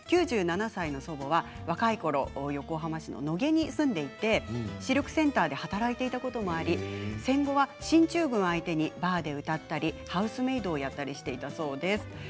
９７歳の祖母は若いころ横浜市の野毛に住んでいて視力センターで働いていたこともあり戦後は進駐軍相手にバーで歌ったりハウスメイトをしていたそうです。